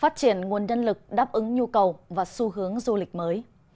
phát triển nguồn nhân lực đáp ứng nhu cầu và xu hướng du lịch mới